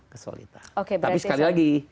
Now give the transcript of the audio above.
kesolidah tapi sekali lagi